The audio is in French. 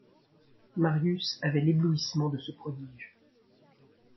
Marius avait l’éblouissement de ce prodige.